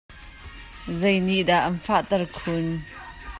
Zei nih dah an faakter khun?